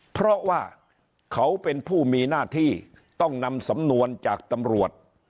เพราะว่าเขาเป็นผู้มีหน้าที่ต้องนำสำนวนจากตำรวจ